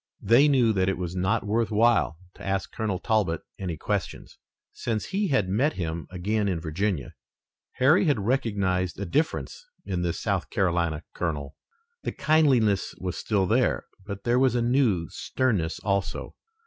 They knew that it was not worth while to ask Colonel Talbot any questions. Since he had met him again in Virginia, Harry had recognized a difference in this South Carolina colonel. The kindliness was still there, but there was a new sternness also.